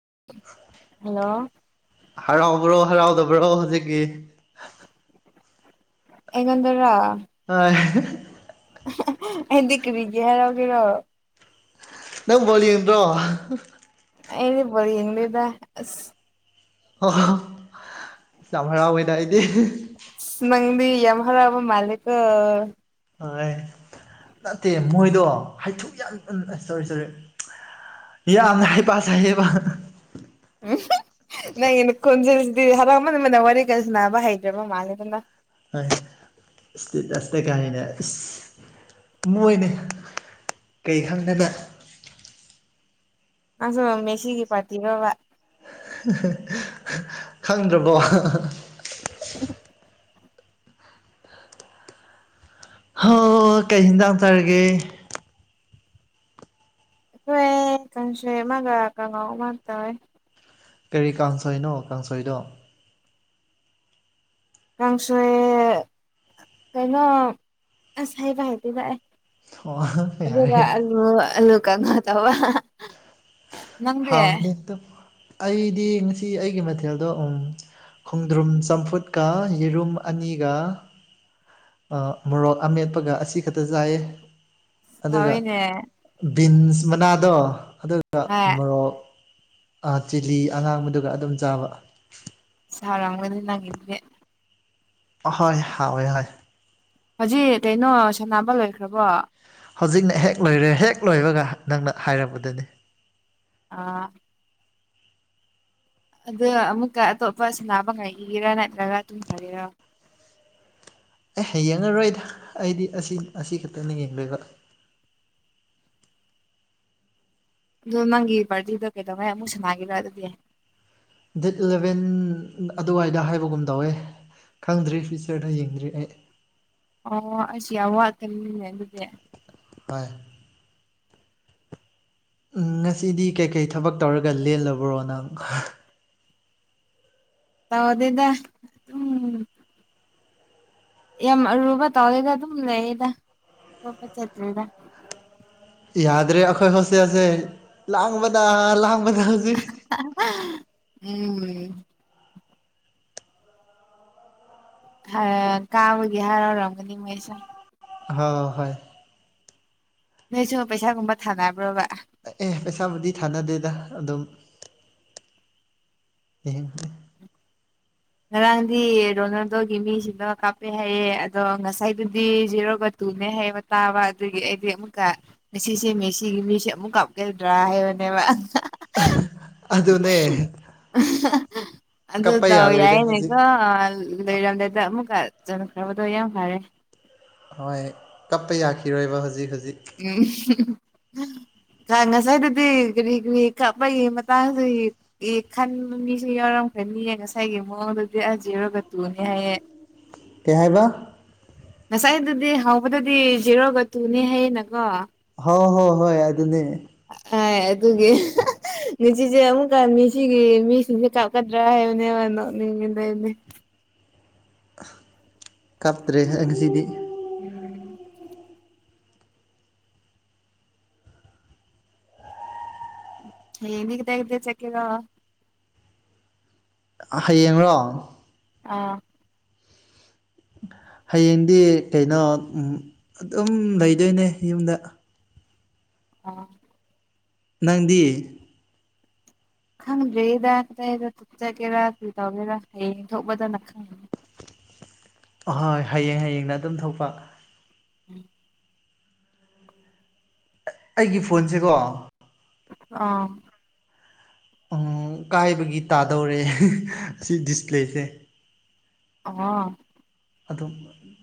[inaudible] hello ꯍꯔꯥꯎꯕ꯭ꯔꯣ ꯍꯔꯥꯎꯗꯕ꯭ꯔꯣ ꯍꯧꯖꯤꯛꯀꯤ ꯑꯩꯉꯣꯟꯗꯔꯣ [inaudible] ꯑꯦꯗꯤ ꯀꯔꯤꯒꯤ ꯍꯥꯔꯥꯎ ꯒꯦꯔꯣ ꯅꯪ ꯕꯣꯜ ꯌꯦꯡꯗ꯭ꯔꯣ ꯑꯩꯗꯤ ꯕꯣꯜ ꯌꯦꯡꯗꯦꯗ ꯑꯣ ꯌꯥꯝ ꯍꯔꯥꯎꯋꯦꯗ ꯑꯩꯗꯤ ꯅꯪꯗꯤ ꯌꯝ ꯍꯔꯥꯎꯕ ꯃꯥꯜꯂꯦꯀꯣ ꯍ ꯅꯠꯇꯦ ꯃꯣꯏꯗꯣ ꯍꯥꯏꯊꯨ ꯌꯥꯝ ꯁꯣꯔꯤ ꯁꯣꯔꯤ ꯌꯥꯝꯅ ꯍꯩꯄꯥ ꯁꯥꯏꯌꯦꯕ ꯑꯗꯨꯗꯤ ꯍꯔꯥꯎꯃꯟꯕꯒꯤ ꯋꯥꯔꯤ ꯀ ꯁꯅꯥꯕ ꯍꯩꯇ꯭ꯔꯕ ꯃꯥꯜꯂꯦꯗ ꯅꯪ [unintelligible] ꯃꯣꯢꯅꯦ ꯀꯩ ꯈꯪꯗꯅ ꯅꯪꯁꯨ ꯃꯦꯁꯤꯒꯤ ꯄꯔꯇꯤꯔꯣꯕ ꯈꯪꯗ꯭ꯔꯕꯣ [unintelligible] ꯍꯣ ꯀꯩ ꯍꯤꯡꯖꯥꯡ ꯆꯥꯔꯤꯒꯦ ꯑꯩꯈꯣꯏ ꯀꯥꯡꯁꯣꯏ ꯑꯃꯒ ꯀꯉꯧ ꯑꯃ ꯇꯧꯋꯦ ꯀꯔꯤ ꯀꯥꯡꯁꯣꯏꯅꯣ ꯀꯥꯡꯁꯣꯏꯗꯣ ꯀꯥꯡꯁꯣꯏ ꯀꯩꯅꯣ ꯑꯁ ꯍꯥꯏꯕ ꯍꯩꯇꯦꯗ ꯑꯩ ꯑꯣ ꯑꯗꯨꯒ ꯌꯥꯔꯦ ꯑꯜꯂꯨ ꯑꯜꯂꯨ ꯀꯥꯡꯉꯧ ꯇꯧꯋꯦ ꯍꯥꯎꯅꯤꯗ ꯑꯩꯗꯤ ꯉꯁꯤ ꯑꯩꯒꯤ ꯃꯊꯦꯜꯗꯣ ꯎꯝ ꯈꯣꯡꯗ꯭ꯔꯨꯝ ꯆꯝꯐꯨꯠꯀ ꯌꯦꯔꯨꯝ ꯑꯅꯤꯒ ꯃꯣꯔꯣꯛ ꯑꯃꯦꯠꯄꯒ ꯑꯁꯤ ꯈꯛꯇ ꯆꯥꯏꯌꯦ ꯑꯗꯨꯒ ꯍꯥꯎꯏꯅꯦ ꯕꯤꯟꯁ ꯃꯅꯥꯗꯣ ꯑꯗꯨꯒ ꯍꯣꯏ ꯃꯣꯔꯣꯛ ꯑ ꯆꯤꯂꯤ ꯑꯉꯥꯡꯕꯗꯨꯒ ꯑꯗꯨꯝ ꯆꯥꯕ ꯁꯔꯝꯃꯅꯤ ꯅꯪꯒꯗꯨꯗꯤ ꯍꯣꯏ ꯍꯥꯎꯋꯦ ꯍꯣꯏ ꯍꯖꯤ ꯀꯩꯅꯣ ꯁꯅꯥꯅꯕ ꯂꯣꯏꯈ꯭ꯔꯕꯣ ꯍꯧꯖꯤꯛꯅ ꯍꯦꯛ ꯂꯣꯏꯔꯦ ꯍꯦꯛ ꯂꯣꯏꯕꯒ ꯅꯪꯅ ꯍꯥꯏꯔꯝꯕꯗꯨꯅꯤ ꯑꯥ ꯑꯗꯣ ꯑꯃꯨꯛꯀ ꯑꯇꯣꯞꯄ ꯁꯥꯅꯕ ꯉꯩꯒꯤꯔꯥ ꯅꯠꯇ꯭ꯔꯒ ꯇꯨꯝꯈ꯭ꯔꯒꯦꯔꯥ ꯑꯦ ꯌꯦꯡꯉꯔꯣꯏꯗ ꯑꯩꯗꯤ ꯑꯁꯤ ꯑꯁꯤ ꯈꯛꯇꯅ ꯌꯦꯡꯗꯣꯏꯕ ꯑꯗꯣ ꯅꯪꯒꯤ ꯄꯥꯔꯇꯤꯗꯣ ꯀꯩꯗꯧꯉꯩ ꯑꯃꯨꯛ ꯁꯅꯒꯤꯔꯥ ꯑꯗꯨꯗꯤ ꯗꯦꯠ ꯏꯂꯚꯦꯟ ꯑꯗꯨꯋꯥꯏꯗ ꯍꯥꯏꯕꯒꯨꯝ ꯇꯧꯋꯦ ꯈꯪꯗ꯭ꯔꯤ ꯐ꯭ꯌꯨꯆꯔꯗ ꯌꯦꯡꯗ꯭ꯔꯤ ꯑꯩ ꯑꯣ ꯑꯁ ꯌꯥꯝ ꯋꯥꯠꯀꯅꯤꯅꯦ ꯑꯗꯨꯗꯤ [unintelligible] ꯎꯝ ꯉꯁꯤꯗꯤ ꯀꯩꯀꯩ ꯊꯕꯛ ꯇꯧꯔꯒ ꯂꯦꯜꯂꯕ꯭ꯔꯣ ꯅꯪ ꯇꯥꯎꯗꯦꯗ ꯎꯝ ꯌꯥꯝ ꯑꯔꯨꯕ ꯇꯧꯗꯦꯗ ꯑꯗꯨꯝ ꯂꯩꯌꯦꯗ ꯔꯨꯕ ꯆꯠꯇꯔꯤꯗ ꯌꯥꯗ꯭ꯔꯦ ꯑꯩꯈꯣꯏ ꯍꯣꯁꯇꯦꯜꯁꯦ ꯂꯥꯡꯕꯗ ꯂꯥꯡꯕꯗ ꯍꯧꯖꯤꯛ ꯎꯝ ꯍꯥ ꯀꯥꯕꯒꯤ ꯍꯔꯥꯎꯔꯝꯒꯅꯤ ꯃꯣꯏꯁꯨ ꯍꯣ ꯍꯣꯏ ꯅꯣꯏꯁꯨ ꯄꯩꯁꯥꯒꯨꯝꯕ ꯊꯥꯅꯕ꯭ꯔꯣꯕ ꯑꯦ ꯄꯩꯁꯥꯕꯨꯗꯤ ꯊꯥꯅꯗꯦꯗ ꯑꯗꯨꯝ ꯌꯦ ꯉꯔꯥꯡꯗꯤ ꯔꯣꯅꯥꯜꯗꯣꯒꯤ ꯃꯤꯁꯤꯡꯗꯣ ꯀꯥꯞꯄꯦ ꯍꯥꯏꯌꯦ ꯑꯗꯣ ꯉꯁꯥꯏꯗꯨꯗꯤ ꯖꯦꯔꯣꯒ ꯇꯨꯅꯦ ꯍꯩꯕ ꯇꯥꯕ ꯑꯗꯨꯒꯤ ꯑꯩꯗꯤ ꯑꯃꯨꯛꯀ ꯉꯁꯤꯁꯦ ꯃꯦꯁꯤꯒꯤ ꯃꯤꯁꯦ ꯑꯃꯨꯛ ꯀꯥꯞꯀꯗ꯭ꯔꯥ ꯍꯥꯏꯕ [unintelligible] ꯑꯗꯨꯅꯦ ꯑꯗꯨ ꯀꯞꯄ ꯗꯥꯎ ꯌꯥꯔꯣꯏꯗ ꯍꯧꯖꯤꯛ ꯌꯥꯏꯅꯦꯀꯣ ꯂꯩꯔꯝꯗꯦꯗ ꯑꯃꯨꯛꯀ ꯆꯅꯈ꯭ꯔꯕꯗꯣ ꯌꯥꯝ ꯐꯔꯦ ꯍꯣꯏ ꯀꯞꯄ ꯌꯥꯈꯤꯔꯣꯏꯕ ꯍꯧꯖꯤꯛ ꯍꯧꯖꯤ [unintelligible] ꯇ ꯉꯁꯥꯏꯗꯗꯤ ꯀꯔꯤ ꯀꯔꯤ ꯀꯥꯄꯒꯤ ꯃꯇꯥꯡꯁꯤ ꯏ ꯈꯟꯕ ꯃꯤꯁꯨ ꯌꯥꯎꯔꯝ ꯐꯦꯝꯅꯤꯌꯦ ꯉꯁꯥꯏꯒꯤ ꯃꯑꯣꯡꯗꯨꯗꯤ ꯑ ꯖꯤꯔꯣꯒ ꯇꯨꯅꯦ ꯍꯥꯏꯌꯦ ꯀꯩ ꯍꯥꯏꯕ ꯉꯁꯥꯏꯗꯨꯗꯤ ꯍꯥꯎꯕꯗꯨꯗꯤ ꯖꯤꯔꯣꯒ ꯇꯨꯅꯦ ꯍꯌꯦꯅꯀꯣ ꯍꯣ ꯍꯣ ꯍꯣꯏ ꯑꯗꯨꯅꯦ ꯍꯥꯏ ꯑꯗꯨꯒꯤ ꯉꯆꯤꯁꯦ ꯑꯃꯨꯛꯀ ꯃꯤꯁꯤꯒꯤ ꯃꯤꯁꯤꯡꯁꯦ ꯀꯥꯞꯀꯗ꯭ꯔꯥ ꯍꯥꯏꯕꯅꯦꯕ ꯅꯣꯛꯅꯤꯡꯉꯤꯗ ꯑꯩꯗꯤ ꯀꯞꯇ꯭ꯔꯦꯍꯦ ꯉꯁꯤꯗꯤ ꯎꯝ ꯍꯌꯦꯡꯗꯤ ꯀꯗꯥꯏ ꯀꯗꯥꯏ ꯆꯠꯀꯦꯔꯣ ꯍꯌꯦꯡꯔꯣ ꯑꯥ ꯍꯌꯦꯡꯗꯤ ꯀꯩꯅꯣ ꯎꯝ ꯑꯗꯨꯝ ꯂꯩꯗꯣꯏꯅꯦ ꯌꯨꯝꯗ [inaudible] ꯅꯪꯗꯤ ꯈꯪꯗ꯭ꯔꯤꯗ ꯀꯗꯥꯏꯗ ꯆꯠꯒꯦꯔꯥ ꯀꯩ ꯇꯧꯒꯦꯔꯥ ꯍꯌꯦꯡ ꯊꯣꯛꯄꯗꯅ ꯈꯪꯅꯤ [inaudible] ꯍꯣꯏ ꯍꯌꯦꯡ ꯍꯌꯦꯡꯅ ꯑꯗꯨꯝ ꯊꯣꯛꯄ [inaudible] ꯑ ꯑꯩꯒꯤ ꯐꯣꯟꯁꯦꯀꯣ ꯑꯥꯎ ꯑꯥꯎ ꯀꯥꯏꯕꯒꯤ ꯇꯥꯗꯧꯔꯦ ꯁꯤ ꯗꯤꯁꯄ꯭ꯂꯦꯁꯦ ꯑꯣ ꯑꯗꯨꯝ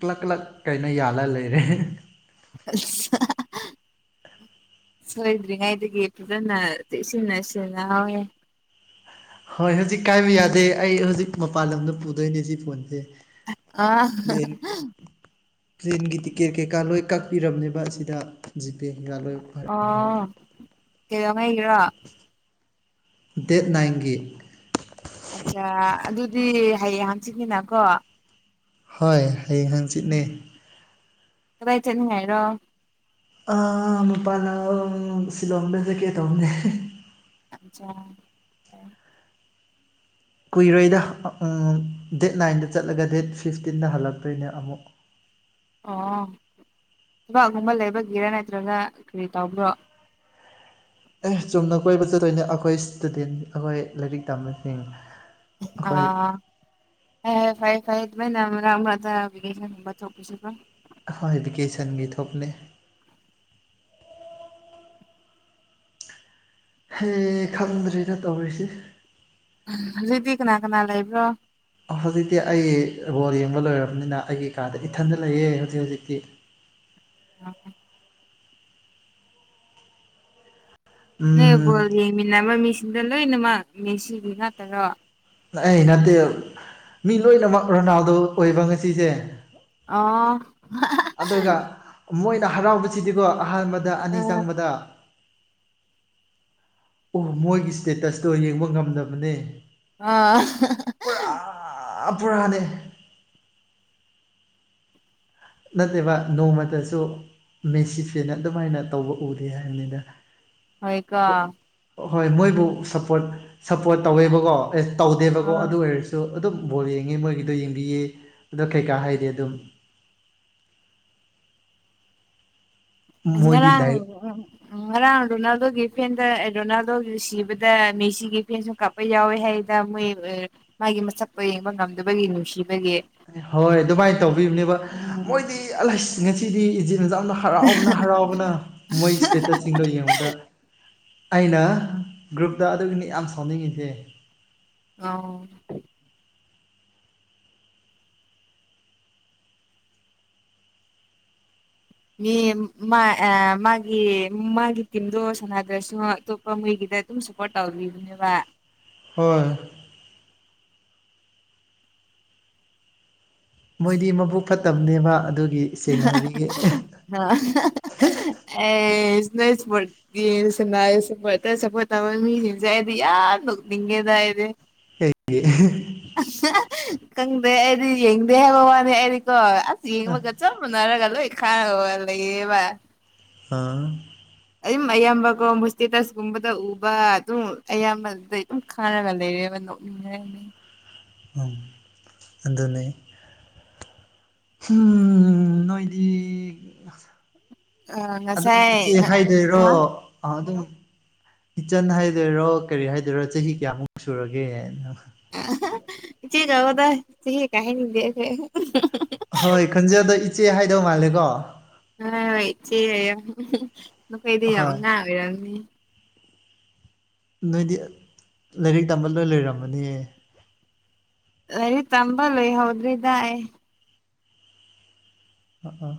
ꯀ꯭ꯂꯛ ꯀ꯭ꯂꯛ ꯀꯩꯅꯣ ꯌꯥꯜꯂ ꯂꯩꯔꯦ ꯑꯁ ꯁꯣꯏꯗ꯭ꯔꯤꯉꯩꯗꯒꯤ ꯐꯖꯅ ꯆꯦꯛꯁꯤꯟꯅ ꯁꯤꯟꯅꯍꯥꯎꯍꯦ ꯍꯣꯏ ꯍꯧꯖꯤꯛ ꯀꯥꯏꯕ ꯌꯥꯗꯦ ꯑꯩ ꯍꯧꯖꯤꯛ ꯃꯄꯥꯟ ꯂꯝꯗ ꯄꯨꯗꯣꯏꯅꯦ ꯁꯤ ꯐꯣꯟꯁꯦ ꯑꯥ ꯇ꯭ꯔꯦꯟꯒꯤ ꯇꯤꯀꯦꯠ ꯀꯩꯀꯥ ꯂꯣꯏ ꯀꯛꯄꯤꯔꯝꯅꯦꯕ ꯑꯁꯤꯗ ꯖꯤ ꯄꯦ [unintelligible] ꯑꯣ ꯀꯩꯗꯧꯉꯩꯒꯤꯔꯣ ꯗꯦꯠ ꯅꯥꯏꯟꯒꯤ ꯑꯠꯆꯥ ꯑꯗꯨꯗꯤ ꯍꯌꯦꯡ ꯍꯪꯆꯤꯠꯅꯤꯅꯀꯣ ꯍꯣꯏ ꯍꯌꯦꯡ ꯍꯪꯆꯤꯠꯅꯦ ꯀꯗꯥꯏ ꯆꯠꯅꯤꯡꯉꯥꯏꯔꯣ ꯑꯥ ꯃꯄꯥꯟꯂꯝ ꯁꯤꯂꯣꯡꯗ ꯆꯠꯀꯦ ꯇꯧꯕꯅꯦ [inaudible] ꯀꯨꯏꯔꯣꯏꯗ ꯎꯝ ꯗꯦꯠ ꯅꯥꯏꯟꯗ ꯆꯠꯂꯒ ꯗꯦꯠ ꯐꯤꯐꯇꯤꯟꯗ ꯍꯜꯂꯛꯇꯣꯏꯅꯦ ꯑꯃꯨꯛ [inaudible] ꯑꯣ ꯊꯕꯛꯒꯨꯝꯕ ꯂꯩꯕꯒꯤꯔꯥ ꯅꯠꯇ꯭ꯔꯒ ꯀꯔꯤ ꯇꯧꯕ꯭ꯔꯣ ꯑꯦ ꯆꯨꯝꯅ ꯀꯣꯏꯕ ꯆꯠꯇꯣꯏꯅꯦ ꯑꯩꯈꯣꯏ ꯏꯁꯇꯨꯗꯦꯟ ꯑꯩꯈꯣꯏ ꯂꯥꯏꯔꯤꯛ ꯇꯝꯕꯁꯤꯡ ꯑ ꯑꯩꯈꯣꯏ ꯐꯩ ꯐꯩ ꯇꯨꯃꯤꯟꯅ ꯉꯥꯡꯕꯗ [unintelligible] ꯍꯣꯏ ꯚꯤꯀꯦꯁꯟꯒꯤ ꯊꯣꯛꯄꯅꯦ ꯍꯦ ꯈꯪꯗ꯭ꯔꯦꯗ ꯇꯧꯔꯤꯁꯤ ꯍꯧꯖꯤꯛꯗꯤ ꯀꯅꯥ ꯀꯅꯥ ꯂꯩꯕ꯭ꯔꯣ ꯍꯧꯖꯤꯛꯇꯤ ꯑꯩ ꯕꯣꯜ ꯌꯦꯜ ꯌꯦꯡꯕ ꯂꯣꯏꯔꯝꯅꯤꯅ ꯑꯩꯒꯤ ꯀꯥꯗ ꯏꯊꯟꯗ ꯂꯩꯌꯦ ꯍꯧꯖꯤꯛ ꯍꯧꯖꯤꯛꯇꯤ [inaudible] ꯅꯣꯏ ꯎꯝ ꯕꯣꯜ ꯌꯦꯡꯃꯤꯟꯅꯕ ꯃꯤꯁꯤꯡꯗꯣ ꯂꯣꯏꯅꯃꯛ ꯃꯦꯁꯤꯒꯤ ꯉꯥꯛꯇꯔꯣ ꯑꯦ ꯅꯠꯇꯦ ꯃꯤ ꯂꯣꯏꯅꯃꯛ ꯔꯣꯅꯥꯜꯗꯣ ꯑꯣꯏꯕ ꯉꯁꯤꯁꯦ ꯑꯣ ꯑꯗꯨꯒ ꯃꯣꯏꯅ ꯍꯔꯥꯎꯕꯁꯤꯗꯤꯀꯣ ꯑꯍꯥꯟꯕꯗ ꯑꯅꯤ ꯆꯪꯕꯗ ꯑꯣ ꯃꯣꯏꯒꯤ ꯏꯁꯇꯦꯇꯁꯇꯣ ꯌꯦꯡꯕ ꯉꯝꯗꯕꯅꯦ ꯑꯥ ꯑꯥ ꯄꯨꯔꯥꯅꯦ ꯅꯠꯇꯦꯕ ꯅꯣꯡꯃꯇꯁꯨ ꯃꯦꯁꯤ ꯐꯦꯟꯅ ꯑꯗꯨꯃꯥꯏꯅ ꯇꯧꯕ ꯎꯗꯦ ꯍꯥꯏꯝꯅꯤꯗ ꯍꯣꯏ ꯀꯣ ꯍꯣꯏ ꯃꯣꯏꯕꯨ ꯁꯞꯄꯣꯔꯠ ꯁꯞꯄꯣꯔꯠ ꯇꯧꯋꯦꯕꯀꯣ ꯑꯦꯁ ꯇꯧꯗꯦꯕꯀꯣ ꯑꯗꯨ ꯑꯣꯏꯔꯁꯨ ꯑꯗꯨꯝ ꯕꯣꯜ ꯌꯦꯡꯉꯦ ꯃꯣꯏꯒꯤꯗꯣ ꯌꯦꯡꯕꯤꯌꯦ ꯑꯗꯣ ꯀꯩꯀꯥ ꯍꯥꯏꯗꯦ ꯑꯗꯨꯝ ꯑꯁ ꯃꯣꯏꯗꯤ ꯉꯔꯥꯡ ꯗꯥꯏ ꯎꯝ ꯉꯔꯥꯡ ꯔꯣꯅꯥꯜꯗꯣꯒꯤ ꯐꯦꯟꯗ ꯔꯣꯅꯥꯜꯗꯣꯒꯤ ꯅꯨꯁꯤꯕꯗ ꯃꯦꯁꯤꯒꯤ ꯐꯦꯟꯁꯨ ꯀꯥꯞꯄ ꯌꯥꯎꯋꯦ ꯍꯥꯏ ꯗꯥ ꯃꯣꯏ ꯑꯥ ꯃꯥꯒꯤ ꯃꯁꯛꯇꯣ ꯌꯦꯡꯕ ꯉꯝꯗꯕꯒꯤ ꯅꯨꯡꯁꯤ ꯍꯣꯏ ꯑꯗꯨꯃꯥꯏ ꯇꯧꯕꯤꯕꯅꯦꯕ ꯎꯝ ꯃꯣꯏꯗꯤ ꯑꯁ ꯉꯁꯤꯗꯤ ꯏꯖꯤꯠ ꯁꯌꯥꯝꯅ ꯍꯔꯥꯎꯕꯅ ꯍꯔꯥꯎꯕꯅ ꯃꯣꯏ ꯏꯁꯇꯦꯇꯁꯁꯤꯡꯗꯣ ꯌꯦꯡꯕꯗ ꯑꯩꯅ ꯒ꯭ꯔꯨꯞꯇ ꯑꯗꯨꯒꯤꯅꯤ ꯌꯥꯝ ꯁꯥꯎꯅꯤꯡꯉꯤꯁꯦ ꯑꯧ ꯃꯤ ꯃꯥ ꯑ ꯃꯥꯒꯤ ꯃꯥꯒꯤ ꯇꯤꯝꯗꯣ ꯁꯅꯗ꯭ꯔꯁꯨ ꯑꯇꯣꯞꯄ ꯃꯣꯏꯒꯤ ꯗ ꯑꯗꯨꯝ ꯁꯄꯣꯔꯠ ꯇꯧꯕꯤꯕꯅꯦꯕ ꯍꯣꯏ ꯃꯣꯏꯗꯤ ꯃꯕꯨꯛ ꯐꯠꯇꯕꯅꯦꯕ ꯑꯗꯨꯒꯤ [unintelligible] [unintelligible] ꯁꯦꯡꯅ ꯍꯥꯏꯕꯤꯒꯦ ꯗ ꯑꯩꯗꯤ ꯀꯩꯒꯤ ꯈꯪꯗꯦ ꯑꯩꯗꯤ ꯌꯦꯡꯗꯦ ꯍꯥꯏꯕ ꯋꯥꯅꯤ ꯑꯩꯗꯤꯀꯣ ꯑꯁ ꯌꯦꯡꯕꯒ [unintelligible] ꯑꯥ ꯑꯩ ꯃꯌꯥꯝꯕꯒꯣ ꯃꯨ ꯏꯁꯇꯦꯇꯁ ꯀꯨꯝꯕꯗ ꯎꯕ ꯑꯗꯨꯝ ꯑꯌꯥꯝꯕꯗꯩ ꯑꯗꯨꯝ ꯈꯥꯡꯔꯒ ꯂꯩꯔꯦꯕ ꯅꯣꯛꯅꯤꯡꯉꯅꯤ ꯎꯝ ꯑꯗꯨꯅꯦ ꯍꯨꯝ ꯅꯣꯏꯗꯤ ꯑ ꯑꯗꯨꯝ ꯏꯆꯦ ꯉꯁꯥꯏ ꯍꯥꯏꯗꯣꯏꯔꯣ ꯍꯥ ꯑꯥ ꯑꯗꯨꯝ ꯏꯆꯟ ꯍꯥꯏꯗꯣꯏꯔꯣ ꯀꯔꯤ ꯍꯥꯏꯗꯣꯏꯔꯣ ꯆꯍꯤ ꯀꯌꯥꯃꯨꯛ ꯁꯨꯔꯒꯦ ꯅ ꯏꯆꯦ ꯀꯧꯋꯣꯗ ꯆꯍꯤꯒ ꯀꯥꯏꯍꯟꯅꯤꯡꯗꯦꯑꯩꯈꯣꯏ ꯍꯣꯏ ꯈꯣꯖꯟꯗꯣ ꯏꯆꯦ ꯍꯥꯏꯗꯧ ꯃꯥꯜꯂꯦꯀꯣ ꯍꯣꯏ ꯏꯆꯦ ꯅꯈꯣꯏꯗꯤ ꯌꯥꯝ ꯍꯣꯏ ꯑꯉꯥꯡ ꯑꯣꯏꯔꯝꯅꯤ ꯅꯣꯏꯗꯤ ꯂꯥꯏꯔꯤꯛ ꯇꯝꯕ ꯂꯣꯏ ꯂꯣꯏꯔꯝꯃꯅꯤꯌꯦ ꯂꯥꯏꯔꯤꯛ ꯇꯝꯕ ꯂꯣꯏ ꯍꯧꯗ꯭ꯔꯤꯗꯥꯏ ꯑ ꯑ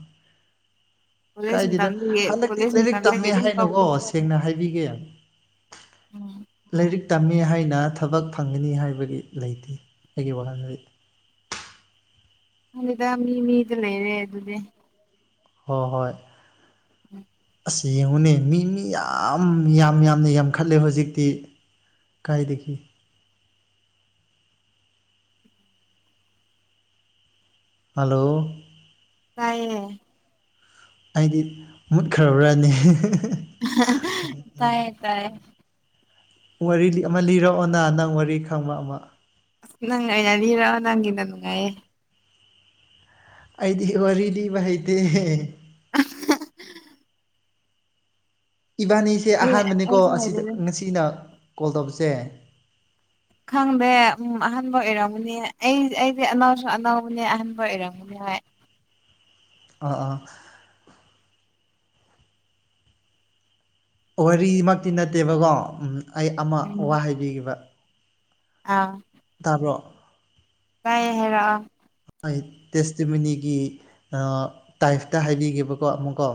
ꯀꯣꯂꯦꯖ ꯀꯥꯏꯗꯦꯗ ꯃꯇꯝꯗꯒꯤ ꯍꯟꯗꯛꯇꯤ ꯀꯣꯂꯦꯖ ꯂꯥꯏꯔꯤꯛ ꯃꯇꯝꯗꯒꯤ ꯇꯝꯃꯦ ꯑꯗꯨꯝ ꯍꯥꯏꯅꯣꯀꯣ ꯇꯧꯈ꯭ꯔꯦ ꯁꯦꯡꯅ ꯍꯥꯏꯕꯤꯒꯦ ꯎꯝ ꯂꯥꯏꯔꯤꯛ ꯇꯝꯃꯤ ꯍꯥꯏꯅ ꯊꯕꯛ ꯐꯪꯒꯅꯤ ꯍꯥꯏꯕꯒꯤ ꯂꯩꯇꯦ ꯑꯩꯒꯤ ꯋꯥꯈꯜꯗꯗꯤ ꯃꯥꯅꯤꯗ ꯃꯤ ꯃꯤꯗ ꯂꯩꯔꯦ ꯑꯗꯨꯗꯤ ꯍꯣꯏ ꯍꯣꯏ ꯎꯝ ꯑꯁ ꯌꯦꯡꯉꯨꯅꯦ ꯃꯤ ꯃꯤ ꯌꯥꯝ ꯌꯥꯝ ꯌꯥꯝꯅ ꯌꯥꯝꯈꯠꯂꯦ ꯍꯧꯖꯤꯛꯇꯤ ꯀꯥꯏꯗꯒꯤ ꯍꯜꯂꯣ ꯇꯥꯏꯌꯦ ꯑꯩꯗꯤ ꯃꯨꯠꯈ꯭ꯔꯕ ꯅꯦ ꯇꯥꯏꯌꯦ ꯇꯥꯏꯌꯦ ꯋꯥꯔꯤ ꯂꯤ ꯑꯃ ꯂꯤꯔꯛꯑꯣꯅ ꯅꯪ ꯋꯥꯔꯤ ꯈꯪꯕ ꯑꯃ ꯑꯁ ꯅꯪꯪ ꯑꯣꯏ ꯂꯤꯔꯛꯑꯣ ꯅꯪꯒꯤꯅ ꯅꯨꯡꯉꯥꯏꯌꯦ ꯑꯩꯗꯤ ꯋꯥꯔꯤ ꯂꯤꯕ ꯍꯩꯇꯦ [unintelligible] ꯏꯕꯥꯅꯤꯁꯦ ꯑꯩꯈꯣꯏ ꯑꯍꯥꯟꯕꯅꯤꯀꯣ ꯑꯩꯁꯨ ꯑꯁꯤꯗ ꯍꯥꯏꯕꯤꯒꯦ ꯉꯁꯤꯅ ꯀꯣꯜ ꯇꯧꯕꯁꯦ ꯈꯪꯗꯦ ꯑꯍꯥꯟꯕ ꯑꯣꯏꯔꯝꯒꯅꯤ ꯑꯩ ꯑꯩꯗꯤ ꯑꯅꯥꯎꯁꯨ ꯑꯅꯧꯕꯅꯦ ꯑꯍꯟꯕ ꯑꯣꯏꯔꯝꯒꯅꯤ ꯍꯥꯏ [inaudible] ꯑꯥ ꯑꯥ ꯋꯥꯔꯤꯃꯛꯇꯤ ꯅꯠꯇꯦꯕꯀꯣ ꯎꯝ ꯑꯩ ꯑꯃ ꯎꯝ ꯋꯥ ꯍꯥꯏꯕꯤꯒꯦꯕ ꯑꯥ ꯇꯥꯕ꯭ꯔꯣ ꯥꯇꯥꯏꯌꯦ ꯍꯥꯏꯔꯛꯑꯣ ꯇꯦꯁꯇꯤꯃꯅꯤꯒꯤ ꯑꯥ ꯇꯥꯏꯞꯇ ꯍꯥꯏꯕꯤꯒꯦꯕꯀꯣ ꯑꯃꯨꯛꯀꯣ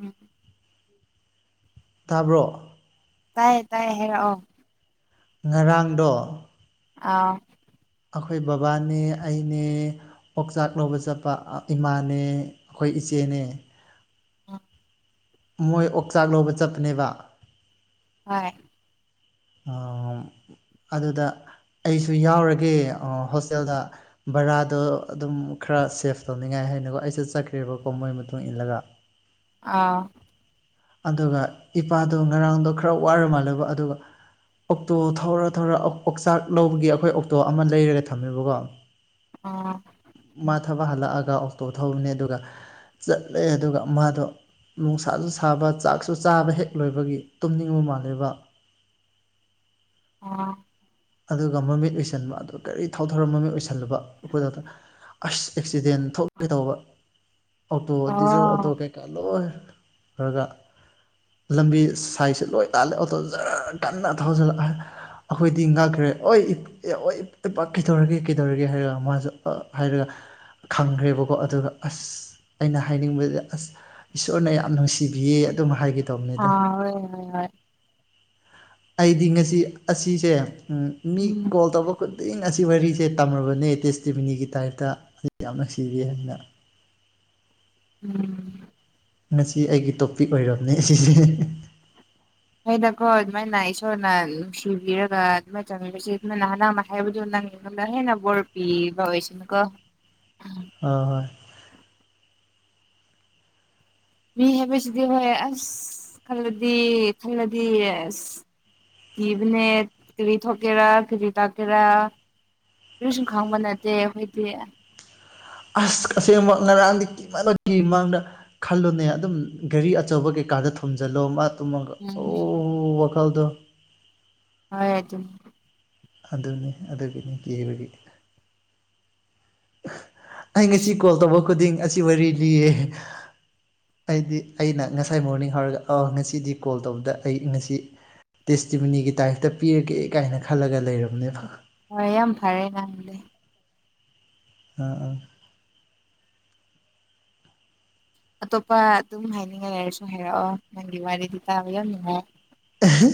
ꯎꯝ ꯇꯥꯕ꯭ꯔꯣ ꯇꯥꯏ ꯇꯥꯏꯌꯦ ꯍꯥꯏ ꯔꯛ ꯑꯣ ꯉꯔꯥꯡꯗꯣ ꯑꯥ ꯑꯩꯈꯣꯏ ꯕꯕꯥꯅꯦ ꯑꯩꯅꯦ ꯑꯣꯛꯆꯥꯛ ꯂꯧꯕ ꯆꯠꯄ ꯏꯃꯥꯅꯦ ꯑꯩꯈꯣꯏ ꯏꯆꯦ ꯆꯦꯅꯦ ꯑ ꯃꯣꯏ ꯑꯣꯛꯆꯥꯛ ꯂꯧꯕ ꯆꯠꯄꯅꯦꯕ ꯍꯣꯏ ꯑꯥ ꯑꯗꯨꯗ ꯑꯩꯁꯨ ꯌꯥꯎꯔꯒꯦ ꯑꯣ ꯍꯣꯁꯇꯦꯜꯗ ꯕꯔꯥꯗꯣ ꯑꯗꯨꯝ ꯈꯔ ꯁꯦꯞ ꯇꯧꯅꯤꯡꯉꯥꯏ ꯍꯥꯏꯅꯀꯣ ꯑꯩꯁꯨ ꯠꯆꯠꯈ꯭ꯔꯦꯕꯀꯣ ꯃꯣꯏ ꯃꯇꯨꯡ ꯏꯜꯂꯒ ꯑꯥ ꯑꯗꯨꯒ ꯏꯄꯥꯗꯣ ꯉꯔꯥꯡꯗꯣ ꯈꯔ ꯋꯥꯔ ꯃꯥꯜꯂꯦꯀꯣ ꯑꯗꯨꯒ ꯑꯣꯛꯇꯣ ꯊꯧꯔ ꯊꯧꯔ ꯑꯣꯛꯆꯥꯛ ꯂꯧꯕꯒꯤ ꯑꯩꯈꯣꯏ ꯑꯣꯛꯇꯣ ꯑꯃ ꯂꯩꯔꯒ ꯊꯝꯃꯦꯕꯀꯣ ꯑꯥ ꯃ ꯊꯥ ꯄꯥ ꯍꯜꯂꯛꯑꯒ ꯑꯣꯛꯇꯣ ꯊꯧꯕꯅꯦ ꯑꯗꯨꯒ ꯆꯠꯂꯦ ꯑꯗꯨꯒ ꯃꯥꯗꯣ ꯅꯨꯡꯁꯥꯁꯨ ꯁꯥꯕ ꯆꯥꯛꯁꯨ ꯆꯥꯕ ꯍꯦꯛ ꯂꯣꯏꯕꯒꯤ ꯇꯨꯝꯅꯤꯡꯕ ꯃꯥꯜꯂꯦꯕ ꯑꯥ ꯑꯗꯨꯒ ꯃꯃꯤꯠ ꯎꯏꯁꯟꯕ ꯑꯗꯨ ꯒꯥꯔꯤ ꯊꯧꯊꯔ ꯃꯃꯤꯠ ꯎꯏꯁꯤꯟ ꯂꯨꯕ ꯑꯩꯈꯣꯏ ꯗꯥꯗꯣ ꯑꯁ ꯑꯦꯛꯁꯤꯗꯦꯟ ꯊꯣꯛꯀꯦ ꯇꯧꯕ ꯑꯣꯇꯣ ꯗꯤꯖꯜ ꯑꯣꯇꯣ ꯑꯣ ꯀꯩꯀꯥ ꯂꯣꯏ ꯈꯔꯒ ꯂꯝꯕꯤ ꯁꯥꯏꯁ ꯂꯣꯏ ꯂꯥꯜꯂꯦ ꯑꯣꯇꯣ ꯖꯔ ꯀꯟꯅ ꯊꯧꯖꯤꯜꯂ ꯑꯩꯈꯣꯏꯗꯤ ꯉꯛ ꯈ꯭ꯔꯦ ꯑꯣꯏ ꯑꯣꯏ ꯏꯄꯥ ꯀꯩꯗꯧꯔꯒꯦ ꯀꯩꯗꯧꯔꯒꯦ ꯍꯥꯏꯔꯒ ꯃꯥꯁꯨ ꯑ ꯍꯥꯏꯔꯒ ꯈꯪꯒ꯭ꯔꯦꯕꯀꯣ ꯑꯗꯨꯒ ꯑꯁ ꯑꯩꯅ ꯍꯥꯏꯅꯤꯡꯕꯗꯤ ꯑꯁ ꯏꯁꯣꯔꯅ ꯌꯥꯝ ꯅꯨꯡꯁꯤꯕꯤꯌꯦ ꯑꯗꯨꯝ ꯍꯥꯏꯒꯦ ꯑ ꯇꯧꯕꯅꯤꯗ ꯍꯣꯏ ꯍꯣꯏ ꯍꯣꯏ ꯑꯩꯗꯤ ꯉꯁꯤ ꯑꯁꯤꯁꯦ ꯃꯤ ꯎꯝ ꯀꯣꯜ ꯇꯧꯕ ꯈꯨꯗꯤꯡ ꯑꯁꯤ ꯋꯥꯔꯤꯁꯦ ꯇꯝꯔꯕꯅꯦ ꯇꯦꯁꯇꯤꯃꯤꯅꯤꯒꯤ ꯇꯥꯏꯞꯇ ꯑꯁꯤ ꯌꯥꯝ ꯅꯨꯡꯁꯤꯔꯤ ꯍꯥꯏꯅ ꯎꯝ ꯉꯁꯤ ꯑꯩꯒꯤ ꯇꯣꯄꯤꯛ ꯑꯣꯏꯔꯕꯅꯦ ꯑꯁꯤꯁꯦ ꯐꯩꯗꯀꯣ ꯑꯗꯨꯃꯥꯏꯅ ꯏꯁꯣꯔꯅ ꯅꯨꯡꯁꯤꯕꯤꯔꯒ ꯑꯗꯨꯃꯥꯏꯅ ꯆꯥꯟꯕꯤꯕꯁꯦ ꯑꯗꯨ ꯅꯍꯥꯟ ꯅꯪꯅ ꯑꯃ ꯍꯥꯏꯕꯗꯨ ꯅꯪ ꯉꯣꯟꯗ ꯍꯦꯟꯅ ꯕꯣꯔꯄꯤꯕ ꯑꯣꯏꯁꯅꯨ ꯀꯣ ꯍꯣꯏ ꯍꯣꯏ ꯃꯤ ꯍꯥꯏꯕꯁꯤꯗꯤ ꯍꯣꯏ ꯑꯁ ꯈꯜꯂꯗꯤ ꯈꯜꯂꯗꯤ ꯑꯁ ꯀꯤꯕꯅꯦ ꯀꯔꯤ ꯊꯣꯛꯀꯦꯔ ꯀꯔꯤ ꯇꯥꯛꯀꯦꯔꯥ ꯀꯔꯤꯁꯨ ꯈꯪꯕ ꯅꯠꯇꯦ ꯑꯩꯈꯣꯏꯗꯤ ꯑꯁ ꯑꯁꯦꯡꯃꯛ ꯉꯔꯥꯡꯗꯤ ꯀꯤꯃꯟꯕꯒꯤ ꯃꯥꯡꯗ ꯈꯜꯂꯨꯅꯦ ꯑꯗꯨꯝ ꯒꯥꯔꯤ ꯑꯆꯧꯕꯀꯩ ꯀꯩꯀꯥꯗ ꯊꯣꯝꯖꯤꯜꯂꯣ ꯃꯥ ꯇꯨꯝꯃꯒ ꯑꯣ ꯎꯝ ꯋꯥꯈꯜꯗꯣ ꯍꯣꯏ ꯑꯗꯨꯅꯦ ꯑꯗꯨꯅꯦ ꯑꯗꯨꯒꯤꯅꯦ ꯀꯤꯔꯤꯕꯗꯤ ꯑꯩ ꯉꯁꯤ ꯀꯣꯜ ꯇꯧꯕ ꯈꯨꯗꯤꯡ ꯑꯁꯤ ꯋꯥꯔꯤ ꯂꯤꯌꯦ ꯑꯩꯗꯤ ꯑꯩꯅ ꯉꯁꯥꯏ ꯃꯣꯔꯅꯤꯡ ꯍꯧꯔꯒ ꯑ ꯉꯁꯤꯗꯤ ꯀꯣꯜ ꯇꯧꯕꯗ ꯑꯩ ꯉꯁꯤ ꯇꯦꯁꯇꯤꯃꯤꯅꯤꯒꯤ ꯇꯥꯏꯞꯇ ꯄꯤꯔꯒꯦ ꯀꯥꯏꯅ ꯈꯜꯂꯒ ꯂꯩꯔꯕꯅꯦꯕ ꯍꯣꯏ ꯌꯥꯝ ꯐꯔꯦ ꯅꯪꯗꯤ ꯑ ꯑꯥ ꯑꯇꯣꯞꯄ ꯑꯗꯨꯝ ꯍꯥꯏꯅꯤꯡꯉꯥꯏ ꯂꯩꯔꯁꯨ ꯍꯥꯏꯔꯛꯑꯣ ꯅꯪꯒꯤ ꯋꯥꯔꯤꯗꯤ ꯇꯥꯕ ꯌꯥꯝ ꯅꯨꯡꯉꯥꯏ ꯑꯍ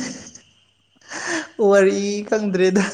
ꯋꯥꯔꯤ ꯈꯪꯗ꯭ꯔꯦꯗ